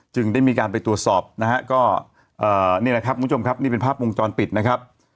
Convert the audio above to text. จึงได้มีการไปตรวจสอบนะฮะก็อ่าเนี่ยแรกครับผู้ชมคับนี่เป็นภาพมงจรปิดนะครับ